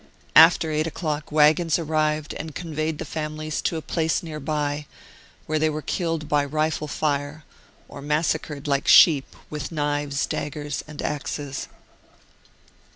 *.... After 8 o'clock waggons arrived and conveyed the families to a place near by, where they were killed by rifle fire, or massacred like sheep with knives, daggers, and axes.